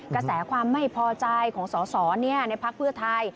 กระแสความไม่พอใจของสอในพักภูมิไทย